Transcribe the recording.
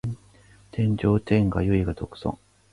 天上天下唯我独尊